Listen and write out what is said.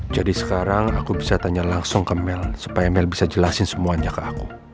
jadi sekarang aku bisa tanya langsung ke mel supaya mel bisa jelasin semuanya ke aku